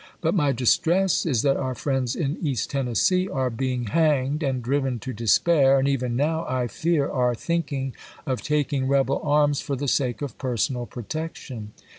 But my distress is that our friends in East Tennessee are being hanged and driven to despair, and even now, I fear, are thinking of taking rebel arms for the sake of personal protection.